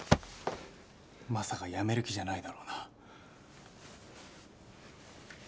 まさか辞める気じゃないだろうな？